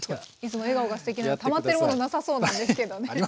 いつも笑顔がすてきなたまっているものなさそうなんですけどね。